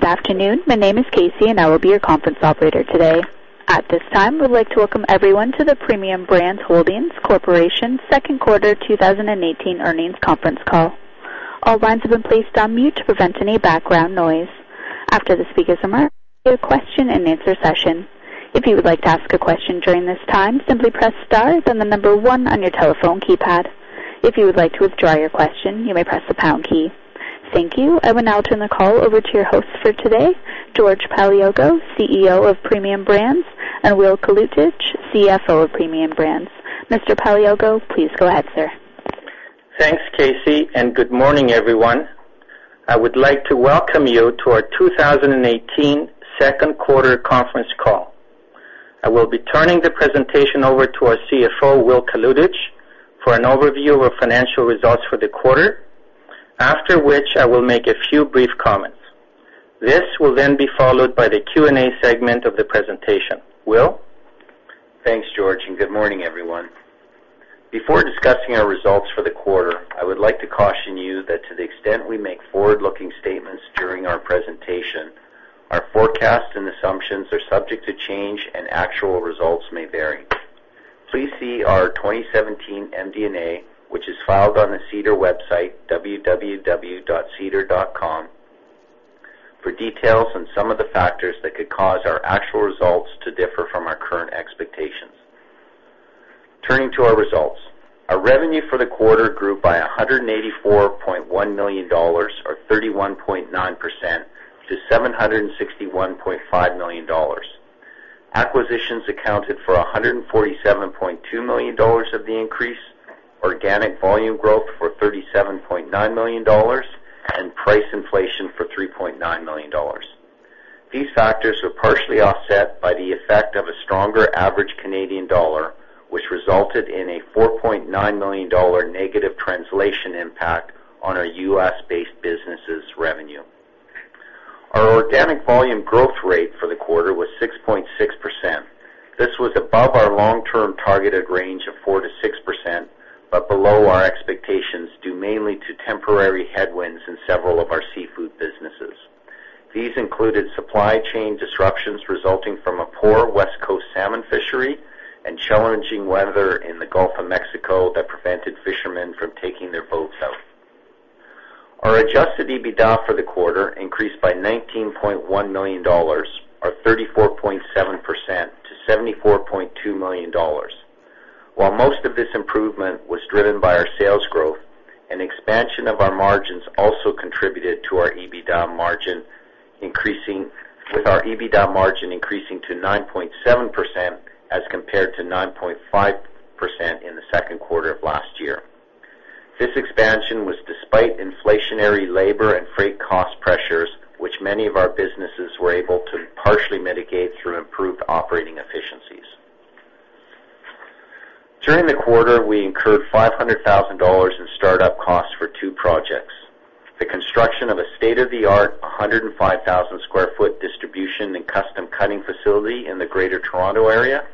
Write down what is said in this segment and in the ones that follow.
Good afternoon. My name is Casey, and I will be your conference operator today. At this time, we'd like to welcome everyone to the Premium Brands Holdings Corporation second quarter 2018 earnings conference call. All lines have been placed on mute to prevent any background noise. After the speakers remark, there will be a question-and-answer session. If you would like to ask a question during this time, simply press star then the number one on your telephone keypad. If you would like to withdraw your question, you may press the pound key. Thank you. I will now turn the call over to your host for today, George Paleologou, CEO of Premium Brands, and Will Kalutycz, CFO of Premium Brands. Mr. Paleologou, please go ahead, sir. Thanks, Casey. Good morning, everyone. I would like to welcome you to our 2018 second quarter conference call. I will be turning the presentation over to our CFO, Will Kalutycz, for an overview of our financial results for the quarter, after which I will make a few brief comments. This will then be followed by the Q&A segment of the presentation. Will? Thanks, George. Good morning, everyone. Before discussing our results for the quarter, I would like to caution you that to the extent we make forward-looking statements during our presentation, our forecasts and assumptions are subject to change and actual results may vary. Please see our 2017 MD&A, which is filed on the SEDAR website, www.sedar.com, for details on some of the factors that could cause our actual results to differ from our current expectations. Turning to our results. Our revenue for the quarter grew by 184.1 million dollars, or 31.9%, to 761.5 million dollars. Acquisitions accounted for 147.2 million dollars of the increase, organic volume growth for 37.9 million dollars, and price inflation for 3.9 million dollars. These factors were partially offset by the effect of a stronger average Canadian dollar, which resulted in a 4.9 million dollar negative translation impact on our U.S.-based businesses revenue. Our organic volume growth rate for the quarter was 6.6%. This was above our long-term targeted range of 4%-6%, but below our expectations, due mainly to temporary headwinds in several of our seafood businesses. These included supply chain disruptions resulting from a poor West Coast salmon fishery and challenging weather in the Gulf of Mexico that prevented fishermen from taking their boats out. Our adjusted EBITDA for the quarter increased by 19.1 million dollars, or 34.7%, to 74.2 million dollars. While most of this improvement was driven by our sales growth, an expansion of our margins also contributed to our EBITDA margin increasing to 9.7% as compared to 9.5% in the second quarter of last year. This expansion was despite inflationary labor and freight cost pressures, which many of our businesses were able to partially mitigate through improved operating efficiencies. During the quarter, we incurred 500,000 dollars in start-up costs for two projects: the construction of a state-of-the-art 105,000 sq ft distribution and custom cutting facility in the Greater Toronto Area,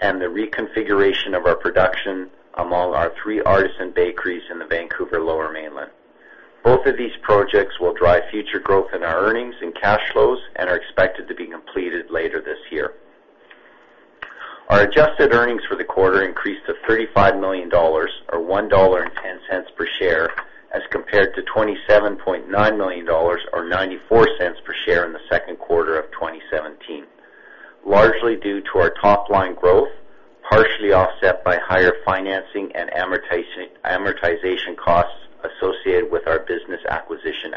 and the reconfiguration of our production among our three artisan bakeries in the Vancouver Lower Mainland. Both of these projects will drive future growth in our earnings and cash flows and are expected to be completed later this year. Our adjusted earnings for the quarter increased to 35 million dollars, or 1.10 dollar per share, as compared to 27.9 million dollars or 0.94 per share in Q2 2017, largely due to our top-line growth, partially offset by higher financing and amortization costs associated with our business acquisition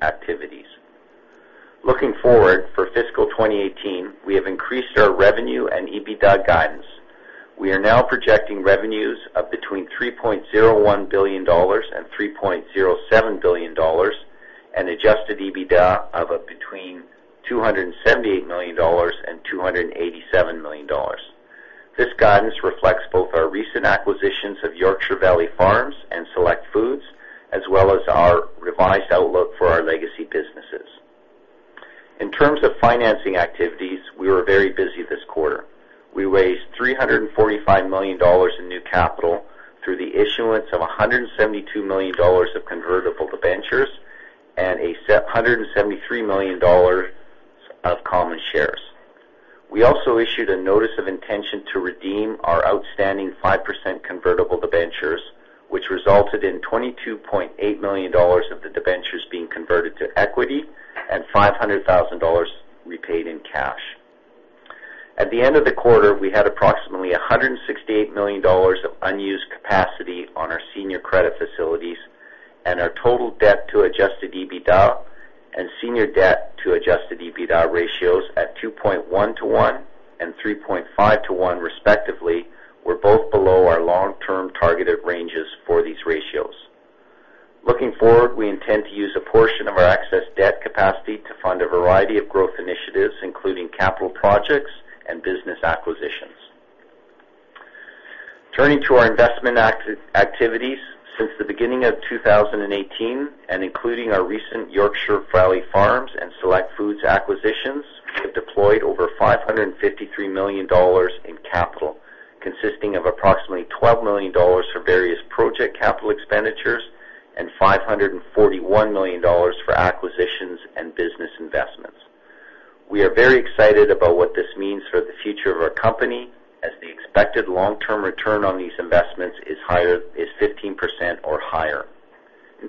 activities. Looking forward, for fiscal 2018, we have increased our revenue and EBITDA guidance. We are now projecting revenues of between 3.01 billion dollars and 3.07 billion dollars, and adjusted EBITDA of between 278 million dollars and 287 million dollars. This guidance reflects both our recent acquisitions of Yorkshire Valley Farms and Select Foods, as well as our revised outlook for our legacy businesses. In terms of financing activities, we were very busy this quarter. We raised 345 million dollars in new capital through the issuance of 172 million dollars of convertible debentures and 173 million dollars of common shares. We also issued a notice of intention to redeem our outstanding 5% convertible debentures, which resulted in 22.8 million dollars of the debentures being converted to equity and 500,000 dollars repaid in cash.At the end of the quarter, we had approximately 168 million dollars of unused capacity on our senior credit facilities and our total debt to adjusted EBITDA and senior debt to adjusted EBITDA ratios at 3.5:1 and 2.1:1 respectively In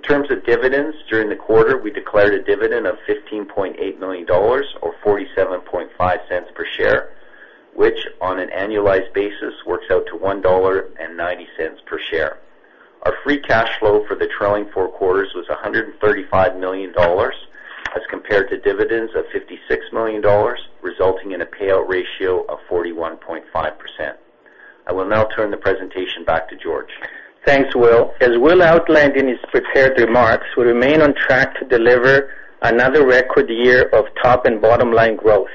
terms of dividends, during the quarter, we declared a dividend of 15.8 million dollars, or 0.475 per share, which on an annualized basis works out to 1.90 dollar per share. Our free cash flow for the trailing four quarters was 135 million dollars as compared to dividends of 56 million dollars, resulting in a payout ratio of 41.5%. I will now turn the presentation back to George. Thanks, Will. As Will outlined in his prepared remarks, we remain on track to deliver another record year of top and bottom-line growth.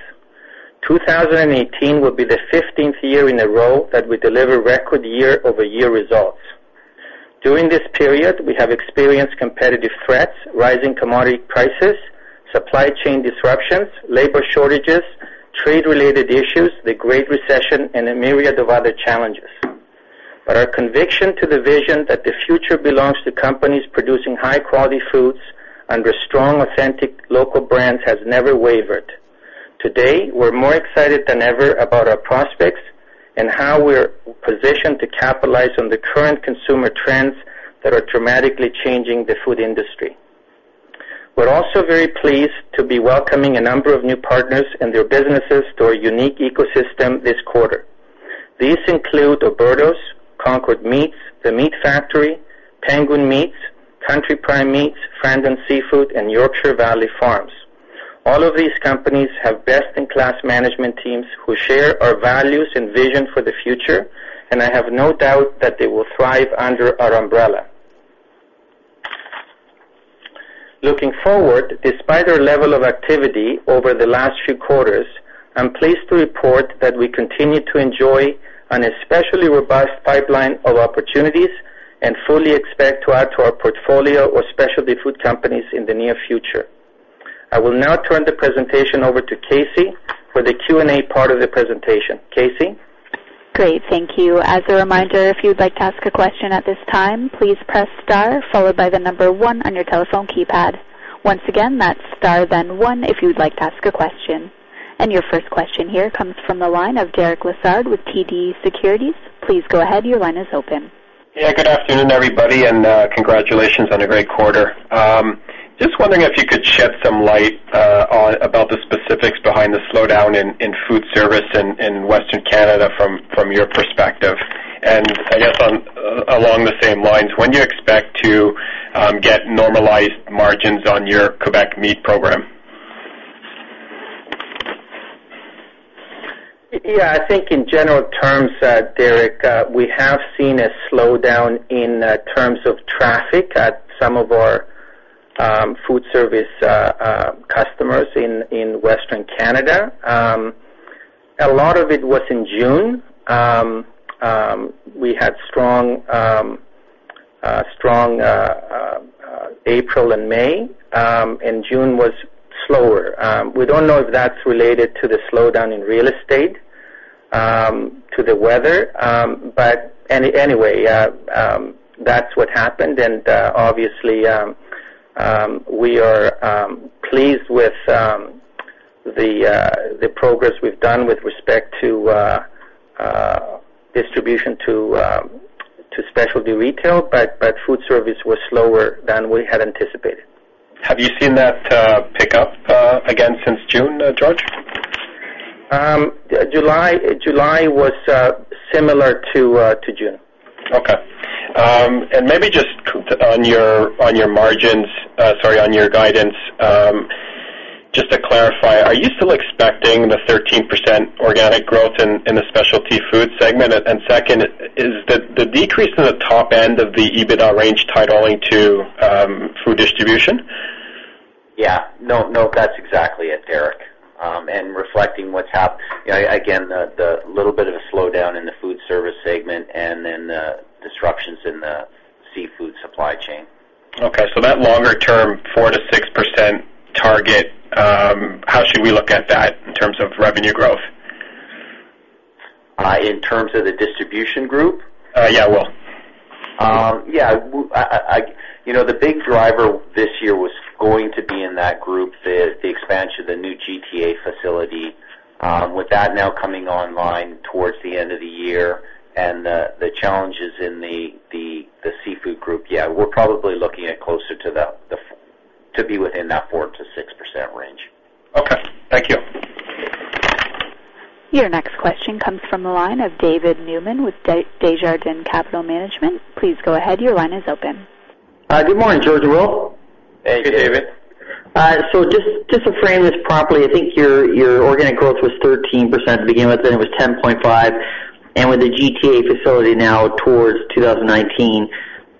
2018 will be the 15th year in a row that we deliver record year-over-year results. During this period, we have experienced competitive threats, rising commodity prices, supply chain disruptions, labor shortages, trade-related issues, the Great Recession, and a myriad of other challenges. Our conviction to the vision that the future belongs to companies producing high-quality foods under strong, authentic local brands has never wavered. Today, we're more excited than ever about our prospects and how we're positioned to capitalize on the current consumer trends that are dramatically changing the food industry. We're also very pleased to be welcoming a number of new partners and their businesses to our unique ecosystem this quarter. These include Oberto, Concord Meats, The Meat Factory, Penguin Meats, Country Prime Meats, Frandon Seafoods, and Yorkshire Valley Farms. All of these companies have best-in-class management teams who share our values and vision for the future, and I have no doubt that they will thrive under our umbrella. Looking forward, despite our level of activity over the last few quarters, I'm pleased to report that we continue to enjoy an especially robust pipeline of opportunities and fully expect to add to our portfolio or specialty food companies in the near future. I will now turn the presentation over to Casey for the Q&A part of the presentation. Casey? Great, thank you. As a reminder, if you'd like to ask a question at this time, please press star followed by the number one on your telephone keypad. Once again, that's star then one if you would like to ask a question. Your first question here comes from the line of Derek Lessard with TD Securities. Please go ahead, your line is open. Yeah, good afternoon, everybody, congratulations on a great quarter. Just wondering if you could shed some light about the specifics behind the slowdown in food service in Western Canada from your perspective. I guess along the same lines, when do you expect to get normalized margins on your Quebec meat program? Yeah, I think in general terms, Derek, we have seen a slowdown in terms of traffic at some of our food service customers in Western Canada. A lot of it was in June. We had strong April and May. June was slower. We don't know if that's related to the slowdown in real estate, to the weather. Anyway, that's what happened, obviously, we are pleased with the progress we've done with respect to distribution to specialty retail. Food service was slower than we had anticipated. Have you seen that pick up again since June, George? July was similar to June. Okay. Maybe just on your margins, sorry, on your guidance, just to clarify, are you still expecting the 13% organic growth in the specialty food segment? Second, is the decrease in the top end of the EBITDA range tied only to food distribution? Yeah. No, that's exactly it, Derek. Reflecting what's happened, again, the little bit of a slowdown in the food service segment and then the disruptions in the seafood supply chain. Okay. That longer-term 4%-6% target, how should we look at that in terms of revenue growth? In terms of the distribution group? Yeah, Will. Yeah. The big driver this year was going to be in that group, the expansion of the new GTA facility. With that now coming online towards the end of the year and the challenges in the seafood group, yeah, we're probably looking at closer to be within that 4%-6% range. Okay. Thank you. Your next question comes from the line of David Newman with Desjardins Capital Markets. Please go ahead, your line is open. Good morning, George and Will. Hey, David. Hey, David. Just to frame this properly, I think your organic growth was 13% to begin with, then it was 10.5%. With the GTA facility now towards 2019,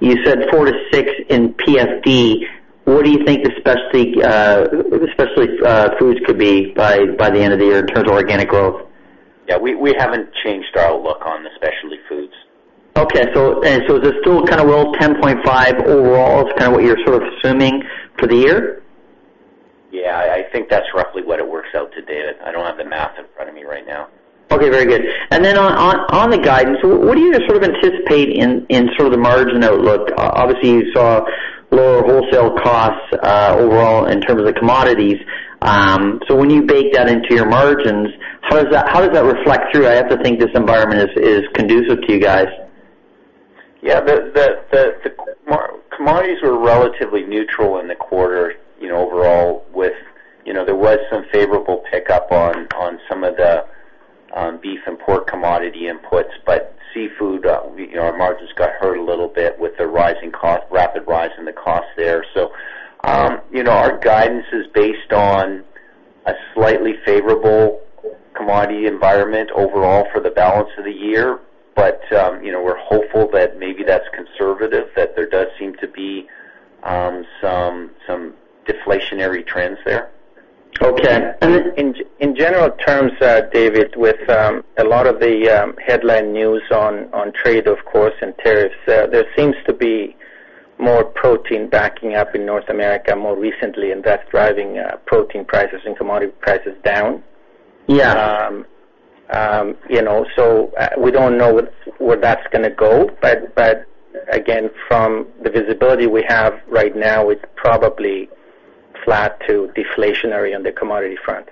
you said 4%-6% in PFD. What do you think the Specialty Foods could be by the end of the year in terms of organic growth? We haven't changed our look on the Specialty Foods. Okay. Is this still kind of roll 10.5 overall is kind of what you're sort of assuming for the year? Yeah, I think that's roughly what it works out to, David. I don't have the math in front of me right now. Okay. Very good. On the guidance, what do you sort of anticipate in sort of the margin outlook? Obviously, you saw lower wholesale costs, overall in terms of the commodities. When you bake that into your margins, how does that reflect through? I have to think this environment is conducive to you guys. Yeah. The commodities were relatively neutral in the quarter, overall. There was some favorable pickup on some of the beef and pork commodity inputs, but seafood, our margins got hurt a little bit with the rapid rise in the cost there. Our guidance is based on a slightly favorable commodity environment overall for the balance of the year. We're hopeful that maybe that's conservative, that there does seem to be some deflationary trends there. Okay. In general terms, David, with a lot of the headline news on trade, of course, and tariffs, there seems to be more protein backing up in North America more recently, that's driving protein prices and commodity prices down. Yeah. We don't know where that's going to go. Again, from the visibility we have right now, it's probably flat to deflationary on the commodity front.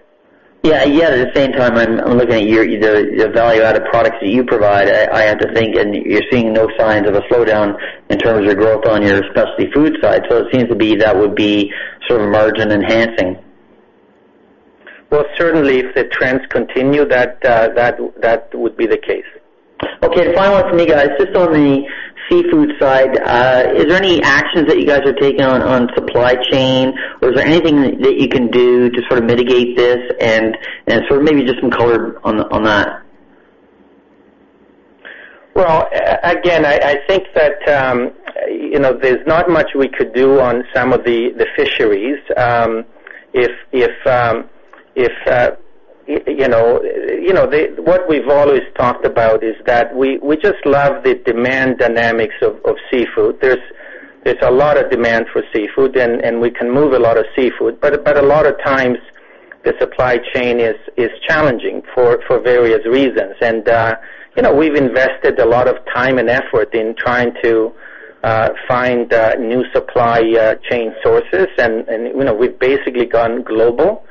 Yeah. At the same time, I'm looking at the value-added products that you provide. I have to think, you're seeing no signs of a slowdown in terms of your growth on your Specialty Foods side. It seems to be that would be sort of margin-enhancing. Well, certainly if the trends continue, that would be the case. Okay, the final one for me, guys. Just on the seafood side, are there any actions that you guys are taking on supply chain, or is there anything that you can do to sort of mitigate this and sort of maybe just some color on that? Well, again, I think that there's not much we could do on some of the fisheries. What we've always talked about is that we just love the demand dynamics of seafood. There's a lot of demand for seafood, and we can move a lot of seafood. A lot of times, the supply chain is challenging for various reasons. We've invested a lot of time and effort in trying to find new supply chain sources. We've basically gone global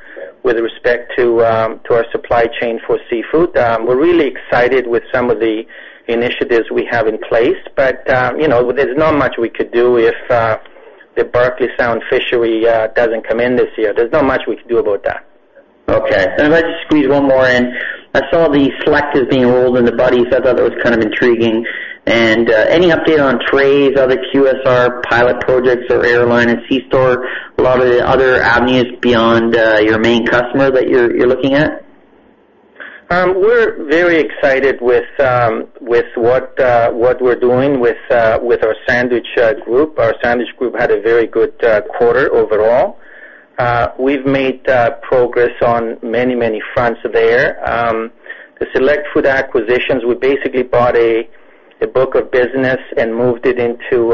with respect to our supply chain for seafood. We're really excited with some of the initiatives we have in place. There's not much we could do if the Barkley Sound fishery doesn't come in this year. There's not much we could do about that. Okay. Let's just squeeze one more in. I saw the Select being rolled into Buddy's. I thought that was kind of intriguing. Any update on trays, other QSR pilot projects or airline and C store, a lot of the other avenues beyond your main customer that you're looking at? We're very excited with what we're doing with our sandwich group. Our sandwich group had a very good quarter overall. We've made progress on many fronts there. The Select Food acquisitions, we basically bought a book of business and moved it into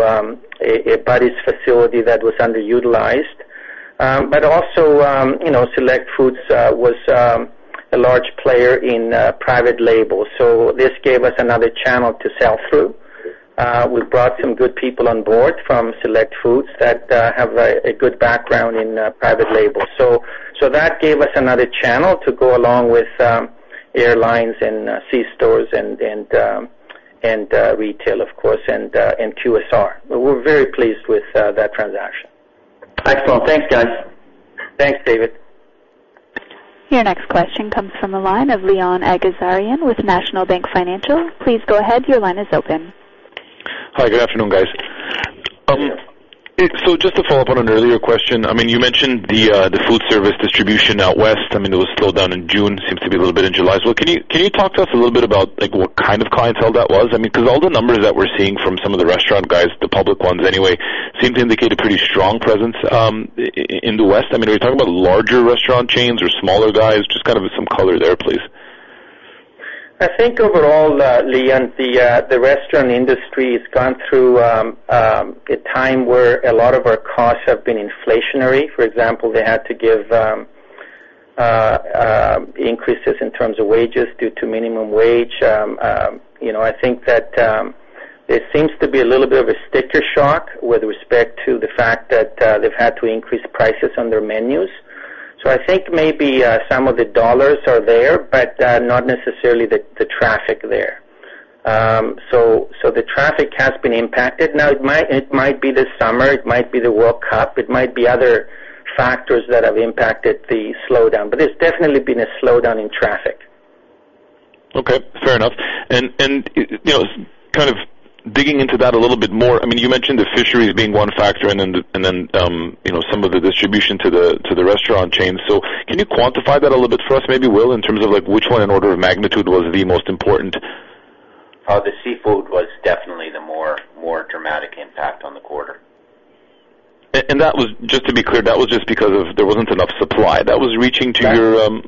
a Buddy's facility that was underutilized. Also Select Foods was a large player in private label, so this gave us another channel to sell through. We brought some good people on board from Select Foods that have a good background in private label. That gave us another channel to go along with airlines and C stores and retail, of course, and QSR. We're very pleased with that transaction. Excellent. Thanks, guys. Thanks, David. Your next question comes from the line of Leon Aghazarian with National Bank Financial. Please go ahead. Your line is open. Hi. Good afternoon, guys. Yes. Just to follow up on an earlier question, you mentioned the food service distribution out West. It was slowed down in June, seems to be a little bit in July as well. Can you talk to us a little bit about what kind of clientele that was? Because all the numbers that we're seeing from some of the restaurant guys, the public ones anyway, seem to indicate a pretty strong presence in the West. Are you talking about larger restaurant chains or smaller guys? Just kind of some color there, please. I think overall, Leon, the restaurant industry has gone through a time where a lot of our costs have been inflationary. For example, they had to give increases in terms of wages due to minimum wage. I think that there seems to be a little bit of a sticker shock with respect to the fact that they've had to increase prices on their menus. I think maybe some of the dollars are there, but not necessarily the traffic there. The traffic has been impacted. Now, it might be the summer, it might be the World Cup, it might be other factors that have impacted the slowdown, but there's definitely been a slowdown in traffic. Okay, fair enough. Kind of digging into that a little bit more, you mentioned the fisheries being one factor and then some of the distribution to the restaurant chains. Can you quantify that a little bit for us, maybe, Will, in terms of which one in order of magnitude was the most important? The seafood was definitely the more dramatic impact on the quarter. Just to be clear, that was just because there wasn't enough supply. Well, yeah.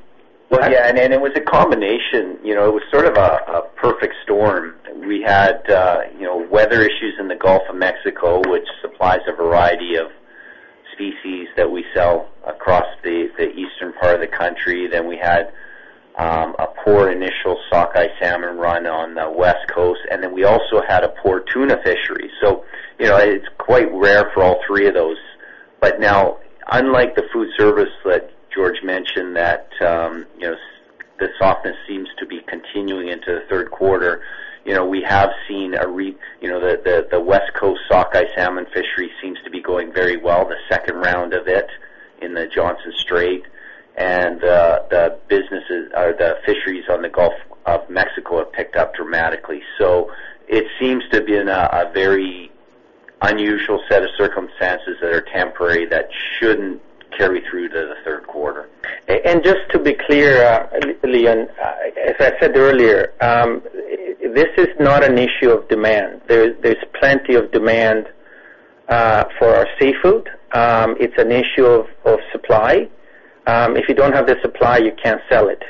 It was a combination. It was sort of a perfect storm. We had weather issues in the Gulf of Mexico, which supplies a variety of species that we sell across the eastern part of the country. We had a poor initial sockeye salmon run on the West Coast, we also had a poor tuna fishery. It's quite rare for all three of those. Now, unlike the food service that George mentioned, that the softness seems to be continuing into the third quarter. We have seen the West Coast sockeye salmon fishery seems to be going very well, the second round of it in the Johnstone Strait. The fisheries on the Gulf of Mexico have picked up dramatically. It seems to have been a very unusual set of circumstances that are temporary, that shouldn't carry through to the third quarter. Just to be clear, Leon, as I said earlier, this is not an issue of demand. There's plenty of demand for our seafood. It's an issue of supply. If you don't have the supply, you can't sell it.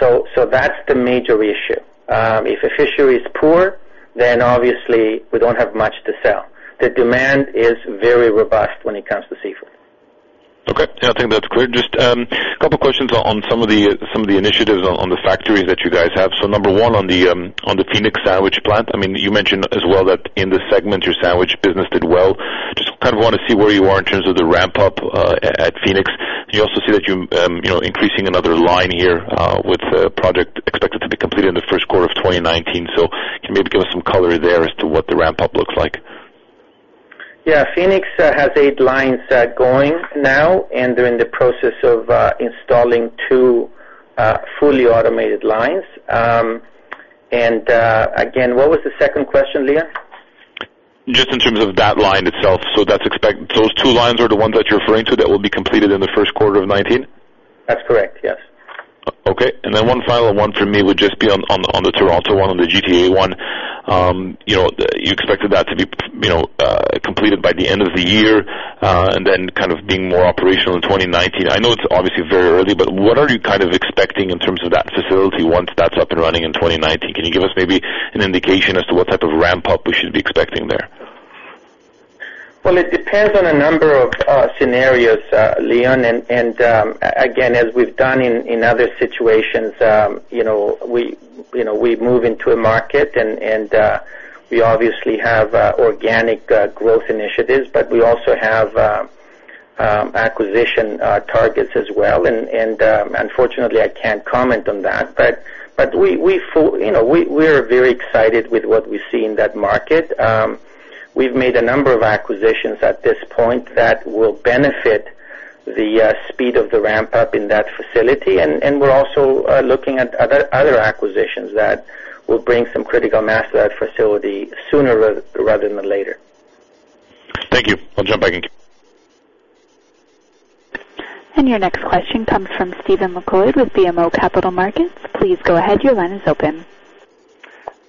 That's the major issue. If a fishery is poor, then obviously we don't have much to sell. The demand is very robust when it comes to seafood. Okay. I think that's clear. Just a couple questions on some of the initiatives on the factories that you guys have. Number 1, on the Phoenix sandwich plant. You mentioned as well that in this segment, your sandwich business did well. Just want to see where you are in terms of the ramp-up at Phoenix. Do you also see that you're increasing another line here, with a project expected to be completed in the first quarter of 2019? Can you maybe give us some color there as to what the ramp-up looks like? Yeah. Phoenix has eight lines going now, and they're in the process of installing two fully automated lines. Again, what was the second question, Leon? Just in terms of that line itself. Those two lines are the ones that you're referring to that will be completed in the first quarter of 2019? That's correct, yes. Okay. Then one final one for me would just be on the Toronto one, on the GTA one. You expected that to be completed by the end of the year, and then being more operational in 2019. I know it's obviously very early, but what are you expecting in terms of that facility once that's up and running in 2019? Can you give us maybe an indication as to what type of ramp-up we should be expecting there? Well, it depends on a number of scenarios, Leon. Again, as we've done in other situations, we move into a market. We obviously have organic growth initiatives, but we also have acquisition targets as well. Unfortunately, I can't comment on that. We are very excited with what we see in that market. We've made a number of acquisitions at this point that will benefit the speed of the ramp-up in that facility. We're also looking at other acquisitions that will bring some critical mass to that facility sooner rather than later. Thank you. I'll jump back in queue. Your next question comes from Stephen MacLeod with BMO Capital Markets. Please go ahead, your line is open.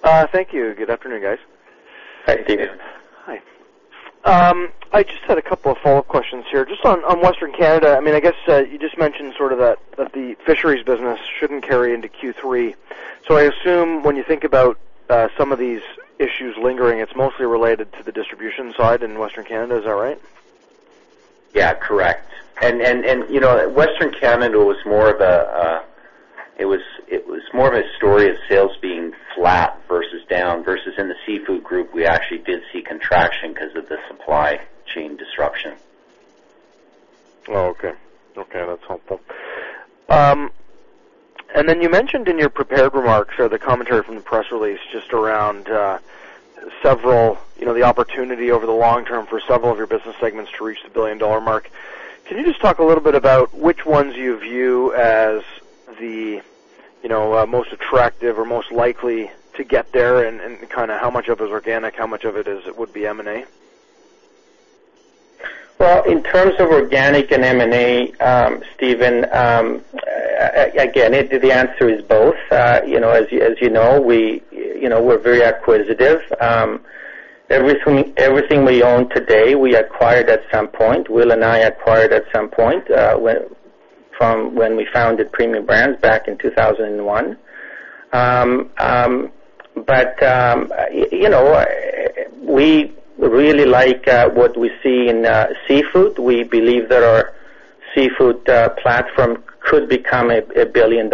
Thank you. Good afternoon, guys. Hi, Stephen. Hi. I just had a couple of follow-up questions here. Just on Western Canada. I guess you just mentioned that the fisheries business shouldn't carry into Q3. I assume when you think about some of these issues lingering, it's mostly related to the distribution side in Western Canada. Is that right? Yeah, correct. Western Canada, it was more of a story of sales being flat versus down, versus in the seafood group, we actually did see contraction because of the supply chain disruption. Oh, okay. That's helpful. Then you mentioned in your prepared remarks or the commentary from the press release just around the opportunity over the long term for several of your business segments to reach the billion-dollar mark. Can you just talk a little bit about which ones you view as the most attractive or most likely to get there, and how much of it is organic, how much of it would be M&A? In terms of organic and M&A, Stephen, again, the answer is both. As you know, we're very acquisitive. Everything we own today, we acquired at some point. Will and I acquired at some point, from when we founded Premium Brands back in 2001. We really like what we see in seafood. We believe that our seafood platform could become a CAD 1 billion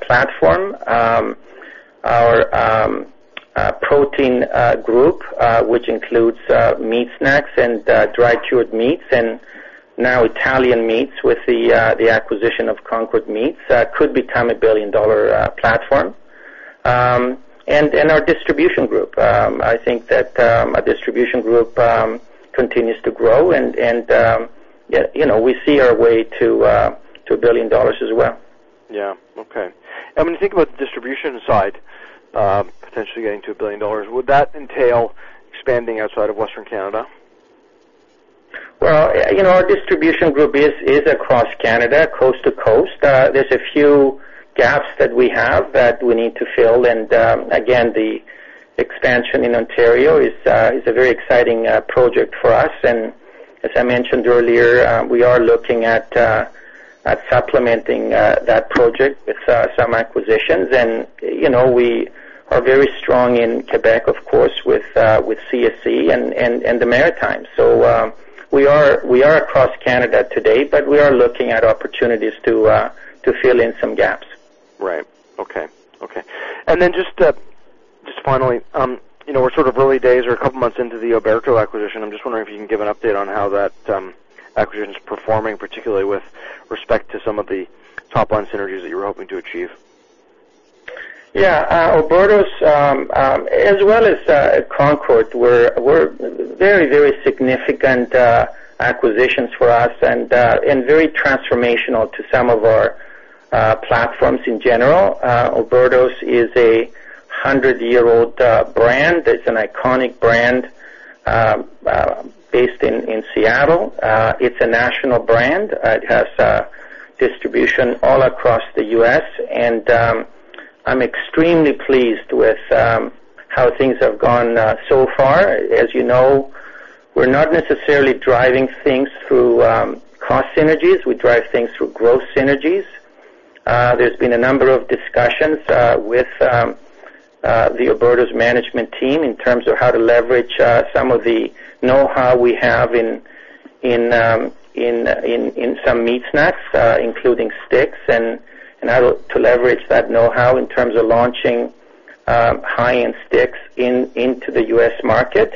platform. Our protein group, which includes meat snacks and dried cured meats, and now Italian meats with the acquisition of Concord Meats, could become a 1 billion platform. Our distribution group. I think that our distribution group continues to grow, and we see our way to 1 billion dollars as well. Yeah. Okay. When you think about the distribution side potentially getting to 1 billion dollars, would that entail expanding outside of Western Canada? Our distribution group is across Canada, coast to coast. There's a few gaps that we have that we need to fill. Again, the Expansion in Ontario is a very exciting project for us, and as I mentioned earlier, we are looking at supplementing that project with some acquisitions. We are very strong in Quebec, of course, with CSC and the Maritimes. We are across Canada today, but we are looking at opportunities to fill in some gaps. Right. Okay. Then just finally, we're sort of early days or a couple of months into the Oberto acquisition. I'm just wondering if you can give an update on how that acquisition is performing, particularly with respect to some of the top-line synergies that you were hoping to achieve. Yeah. Oberto, as well as Concord, were very significant acquisitions for us and very transformational to some of our platforms in general. Oberto is a 100-year-old brand. It's an iconic brand based in Seattle. It's a national brand. It has distribution all across the U.S., and I'm extremely pleased with how things have gone so far. As you know, we're not necessarily driving things through cost synergies. We drive things through growth synergies. There's been a number of discussions with the Oberto management team in terms of how to leverage some of the know-how we have in some meat snacks, including sticks, and how to leverage that know-how in terms of launching high-end sticks into the U.S. market.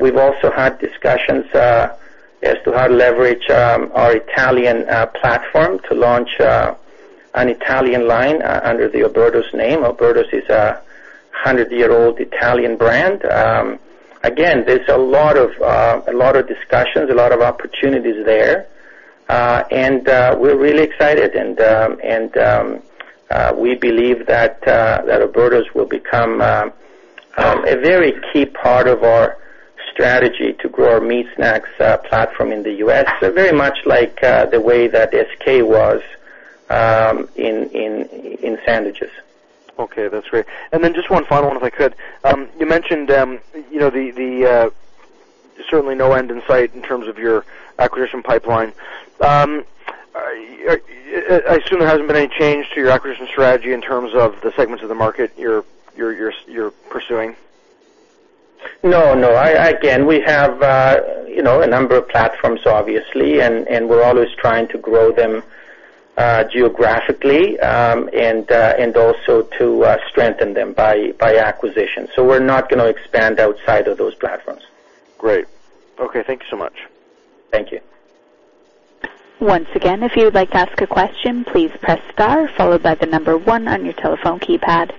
We've also had discussions as to how to leverage our Italian platform to launch an Italian line under the Oberto name. Oberto is a 100-year-old Italian brand. There's a lot of discussions, a lot of opportunities there. We're really excited, and we believe that Oberto will become a very key part of our strategy to grow our meat snacks platform in the U.S., very much like the way that SK was in sandwiches. Okay, that's great. Just one final one, if I could. You mentioned there's certainly no end in sight in terms of your acquisition pipeline. I assume there hasn't been any change to your acquisition strategy in terms of the segments of the market you're pursuing. No. We have a number of platforms, obviously, and we're always trying to grow them geographically, and also to strengthen them by acquisition. We're not going to expand outside of those platforms. Great. Okay, thank you so much. Thank you. Once again, if you would like to ask a question, please press star followed by the number one on your telephone keypad.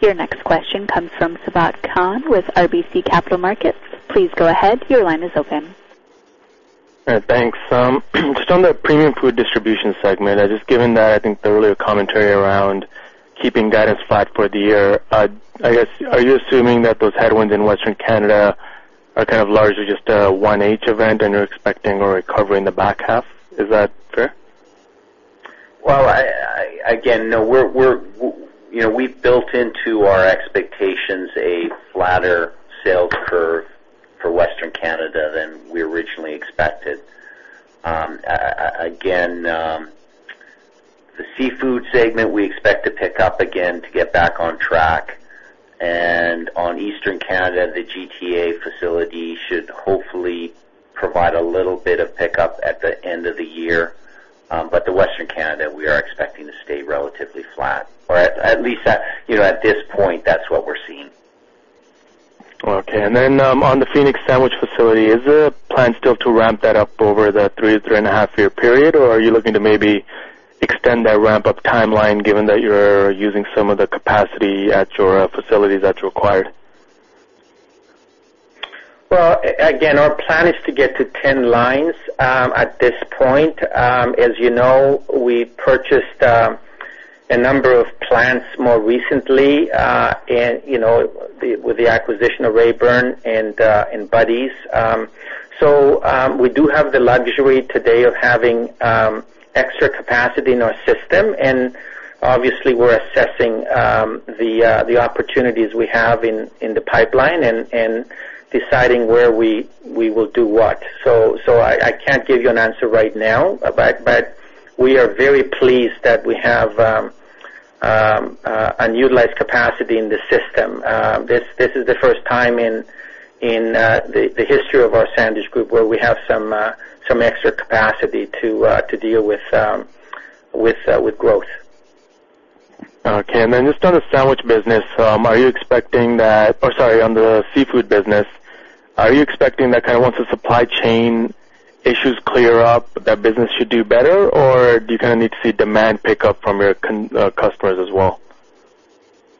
Your next question comes from Sabahat Khan with RBC Capital Markets. Please go ahead. Your line is open. All right, thanks. Just on the premium food distribution segment, just given that, I think the earlier commentary around keeping guidance flat for the year, I guess, are you assuming that those headwinds in Western Canada are kind of largely just a one-H event and you're expecting a recovery in the back half? Is that fair? Well, again, no. We've built into our expectations a flatter sales curve for Western Canada than we originally expected. The seafood segment we expect to pick up again to get back on track. On Eastern Canada, the GTA facility should hopefully provide a little bit of pickup at the end of the year. The Western Canada, we are expecting to stay relatively flat, or at least at this point, that's what we're seeing. Okay. On the Phoenix sandwich facility, is the plan still to ramp that up over the three and a half year period, or are you looking to maybe extend that ramp-up timeline given that you're using some of the capacity at your facilities that's required? Well, again, our plan is to get to 10 lines at this point. As you know, we purchased a number of plants more recently with the acquisition of Raybern and Buddy's. We do have the luxury today of having extra capacity in our system, and obviously we're assessing the opportunities we have in the pipeline and deciding where we will do what. I can't give you an answer right now, but we are very pleased that we have an utilized capacity in the system. This is the first time in the history of our sandwich group where we have some extra capacity to deal with growth. Okay. Just on the sandwich business, are you expecting or sorry, on the seafood business, are you expecting that kind of once the supply chain issues clear up, that business should do better, or do you kind of need to see demand pick up from your customers as well?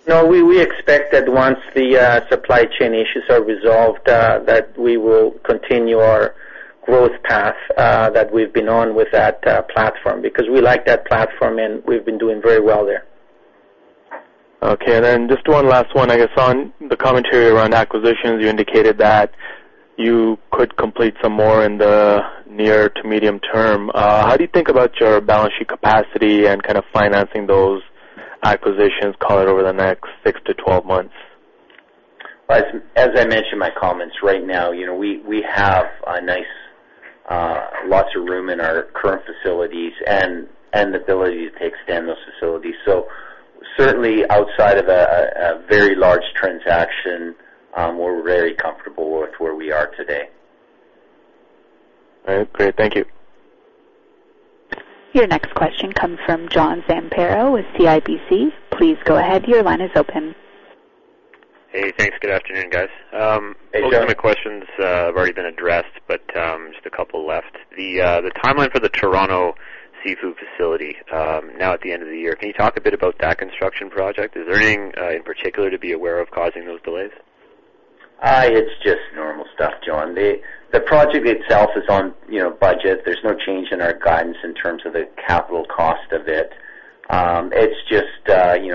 No. We expect that once the supply chain issues are resolved, that we will continue our growth path that we've been on with that platform because we like that platform and we've been doing very well there. Okay. Just one last one, I guess on the commentary around acquisitions, you indicated that you could complete some more in the near to medium term. How do you think about your balance sheet capacity and financing those acquisitions, call it over the next six to 12 months? As I mentioned in my comments, right now, we have lots of room in our current facilities and the ability to extend those facilities. Certainly outside of a very large transaction, we're very comfortable with where we are today. All right, great. Thank you. Your next question comes from John Zamparo with CIBC. Please go ahead. Your line is open. Hey, thanks. Good afternoon, guys. Hey, John. Most of my questions have already been addressed. Just a couple left. The timeline for the Toronto seafood facility now at the end of the year, can you talk a bit about that construction project? Is there anything in particular to be aware of causing those delays? It's just normal stuff, John. The project itself is on budget. There's no change in our guidance in terms of the capital cost of it.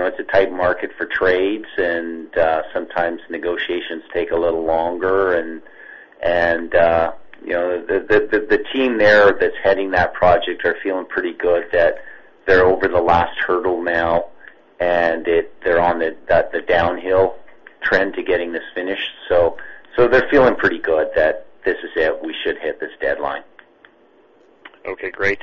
It's a tight market for trades and sometimes negotiations take a little longer. The team there that's heading that project are feeling pretty good that they're over the last hurdle now and they're on the downhill trend to getting this finished. They're feeling pretty good that this is it. We should hit this deadline. Okay, great.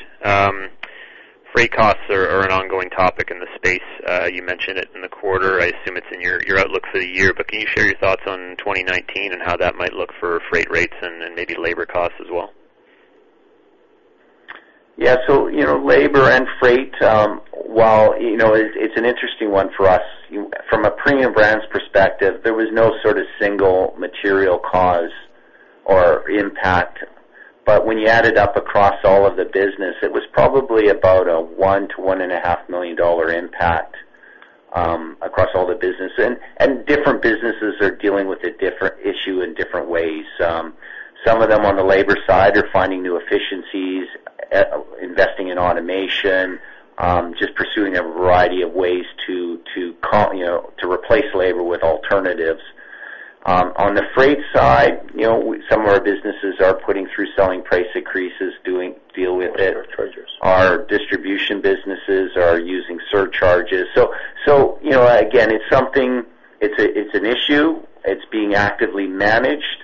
Freight costs are an ongoing topic in the space. You mentioned it in the quarter. I assume it's in your outlook for the year, can you share your thoughts on 2019 and how that might look for freight rates and then maybe labor costs as well? Yeah. Labor and freight, it's an interesting one for us. From a Premium Brands perspective, there was no sort of single material cause or impact. When you add it up across all of the business, it was probably about a 1 million-1.5 million dollar impact across all the business. Different businesses are dealing with a different issue in different ways. Some of them on the labor side are finding new efficiencies, investing in automation, just pursuing a variety of ways to replace labor with alternatives. On the freight side, some of our businesses are putting through selling price increases to deal with it. Our distribution businesses are using surcharges. Again, it's an issue. It's being actively managed.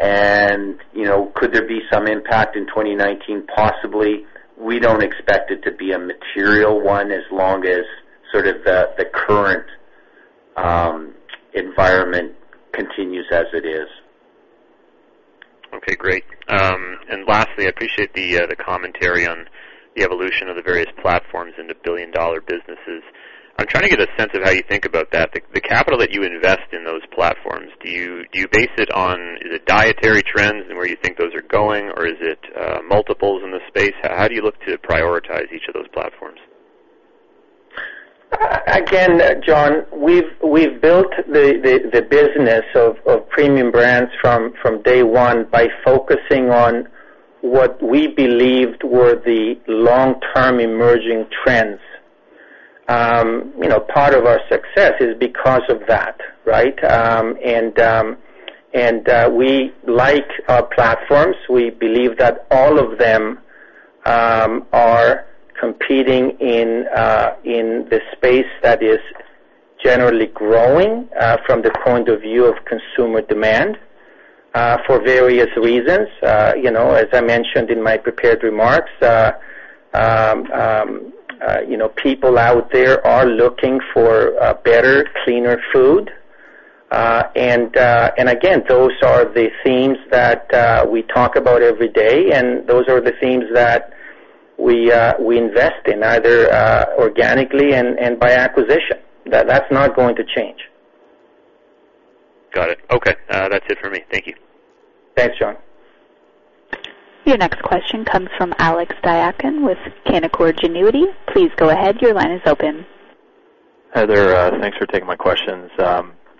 Could there be some impact in 2019? Possibly. We don't expect it to be a material one as long as sort of the current environment continues as it is. Okay, great. Lastly, I appreciate the commentary on the evolution of the various platforms into billion-dollar businesses. I am trying to get a sense of how you think about that. The capital that you invest in those platforms, do you base it on the dietary trends and where you think those are going? Or is it multiples in the space? How do you look to prioritize each of those platforms? Again, John, we've built the business of Premium Brands from day one by focusing on what we believed were the long-term emerging trends. Part of our success is because of that, right? We like our platforms. We believe that all of them are competing in the space that is generally growing from the point of view of consumer demand for various reasons. As I mentioned in my prepared remarks, people out there are looking for better, cleaner food. Again, those are the themes that we talk about every day, and those are the themes that we invest in, either organically and by acquisition. That's not going to change. Got it. Okay. That's it for me. Thank you. Thanks, John. Your next question comes from Alex Diakun with Canaccord Genuity. Please go ahead. Your line is open. Hi there. Thanks for taking my questions.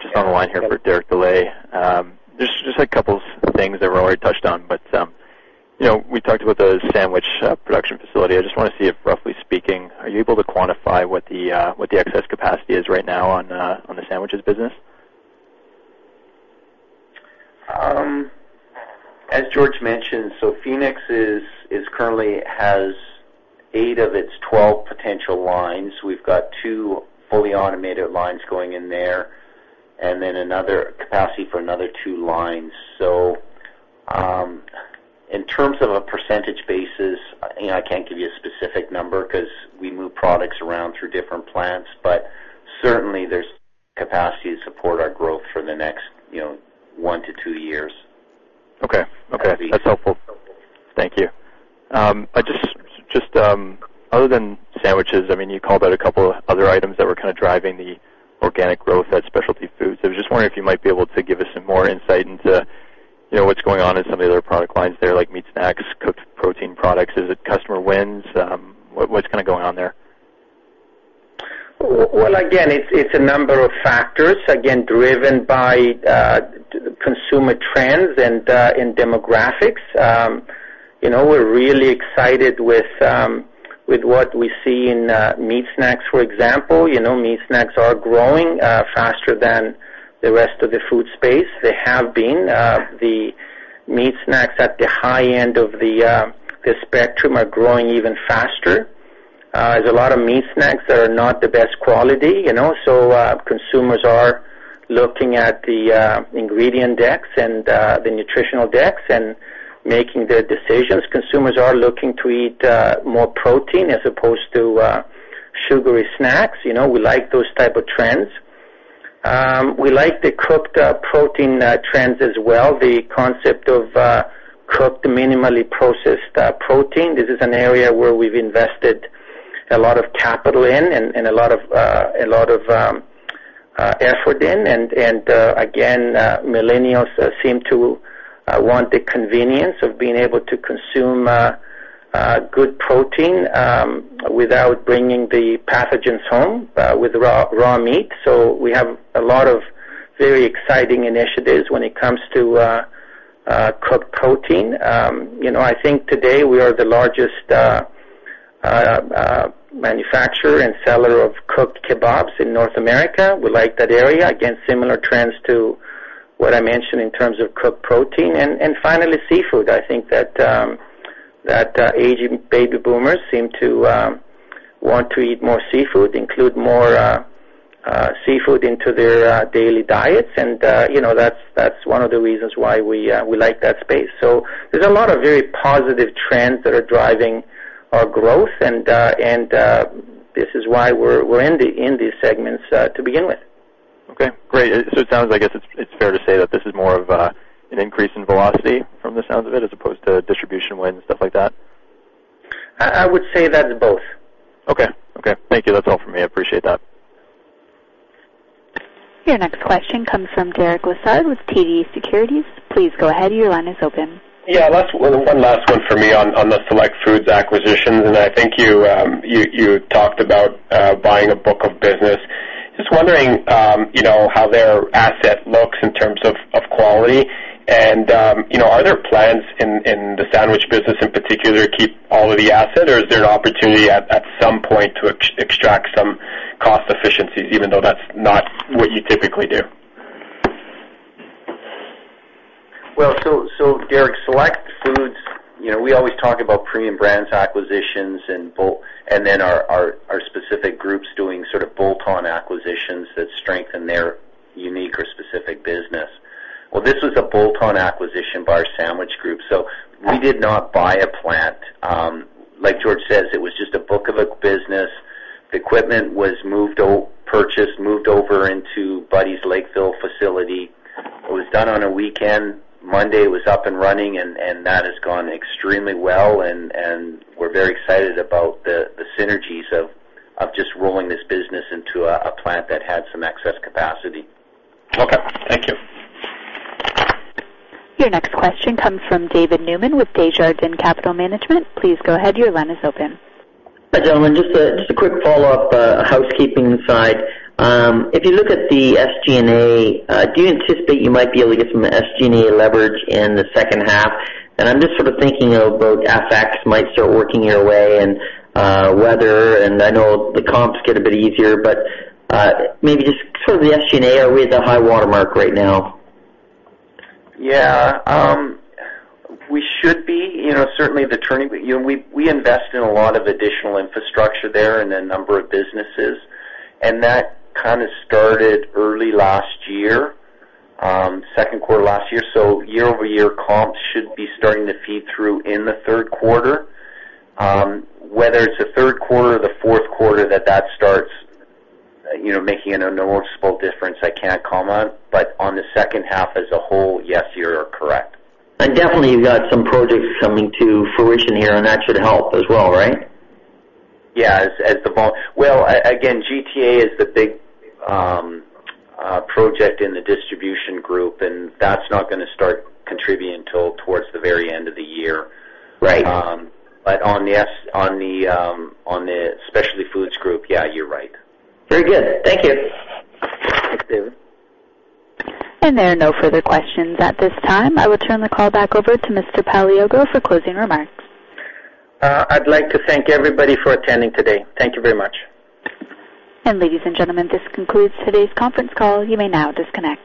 Just on the line here for Derek Dley. Just a couple things that were already touched on, we talked about the sandwich production facility. I just want to see if, roughly speaking, are you able to quantify what the excess capacity is right now on the sandwiches business? As George mentioned, Phoenix currently has eight of its 12 potential lines. We've got two fully automated lines going in there, and then capacity for another two lines. In terms of a percentage basis, I can't give you a specific number because we move products around through different plants, certainly there's capacity to support our growth for the next one to two years. Okay. That's helpful. Thank you. Just other than sandwiches, you called out a couple other items that were kind of driving the organic growth at Specialty Foods. I was just wondering if you might be able to give us some more insight into what's going on in some of the other product lines there, like meat snacks, cooked protein products. Is it customer wins? What's going on there? Well, again, it's a number of factors, again, driven by consumer trends and demographics. We're really excited with what we see in meat snacks, for example. Meat snacks are growing faster than the rest of the food space. They have been. The meat snacks at the high end of the spectrum are growing even faster. There's a lot of meat snacks that are not the best quality, so consumers are looking at the ingredient decks and the nutritional decks and making their decisions. Consumers are looking to eat more protein as opposed to sugary snacks. We like those type of trends. We like the cooked protein trends as well, the concept of cooked, minimally processed protein. This is an area where we've invested a lot of capital in and a lot of effort in. Again, millennials seem to want the convenience of being able to consume good protein without bringing the pathogens home with raw meat. We have a lot of very exciting initiatives when it comes to cooked protein. I think today we are the largest manufacturer and seller of cooked kebabs in North America. We like that area. Again, similar trends to what I mentioned in terms of cooked protein. Finally, seafood. I think that aging baby boomers seem to want to eat more seafood, include more seafood into their daily diets, and that's one of the reasons why we like that space. There's a lot of very positive trends that are driving our growth, and this is why we're in these segments to begin with. Okay, great. It sounds, I guess it's fair to say that this is more of an increase in velocity from the sounds of it, as opposed to distribution wins, stuff like that? I would say that's both. Okay. Thank you. That's all for me. I appreciate that. Your next question comes from Derek Lessard with TD Securities. Please go ahead, your line is open. One last one for me on the Select Foods acquisition. I think you talked about buying a book of business. Just wondering how their asset looks in terms of quality and are there plans in the sandwich business in particular to keep all of the asset or is there an opportunity at some point to extract some cost efficiencies even though that's not what you typically do? Derek, Select Food Products, we always talk about Premium Brands acquisitions and then our specific groups doing sort of bolt-on acquisitions that strengthen their unique or specific business. This was a bolt-on acquisition by our sandwich group, so we did not buy a plant. Like George says, it was just a book of a business. The equipment was purchased, moved over into Buddy's Kitchen Lakeville facility. It was done on a weekend. Monday it was up and running, and that has gone extremely well and we're very excited about the synergies of just rolling this business into a plant that had some excess capacity. Okay. Thank you. Your next question comes from David Newman with Desjardins Capital Markets. Please go ahead. Your line is open. Hi, gentlemen. Just a quick follow-up, housekeeping side. If you look at the SG&A, do you anticipate you might be able to get some SG&A leverage in the second half? I'm just sort of thinking of both FX might start working your way and weather, and I know the comps get a bit easier, but maybe just sort of the SG&A, are we at the high watermark right now? Yeah. We should be. Certainly we invest in a lot of additional infrastructure there in a number of businesses, and that kind of started early last year, second quarter last year. Year-over-year comps should be starting to feed through in the third quarter. Whether it's the third quarter or the fourth quarter that that starts making a noticeable difference, I can't comment, but on the second half as a whole, yes, you're correct. Definitely you've got some projects coming to fruition here, and that should help as well, right? Yes. Well, again, GTA is the big project in the distribution group, and that's not going to start contributing until towards the very end of the year. Right. On the Specialty Foods Group, yeah, you're right. Very good. Thank you. Thanks, David. There are no further questions at this time. I will turn the call back over to Mr. Paleologou for closing remarks. I'd like to thank everybody for attending today. Thank you very much. Ladies and gentlemen, this concludes today's conference call. You may now disconnect.